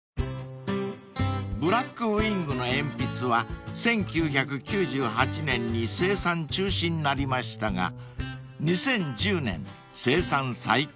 ［ＢＬＡＣＫＷＩＮＧの鉛筆は１９９８年に生産中止になりましたが２０１０年生産再開］